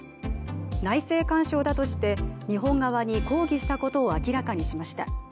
内政干渉だとして日本側に抗議したことを明らかにしました。